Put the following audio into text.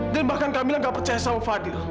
dan bahkan kamilah gak percaya sama fadil